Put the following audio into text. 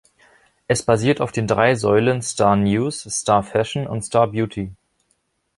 Es basiert auf den drei Säulen Star-News, Star-Fashion und Star-Beauty.